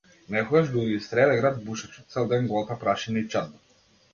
Некогаш дури и среде град бушачот цел ден голта прашина и чад.